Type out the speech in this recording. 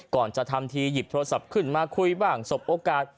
ก่อนจะทำทีหยิบโทรศัพท์ขึ้นมาคุยบ้างสบโอกาส